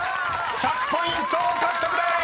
［１００ポイント獲得でーす！］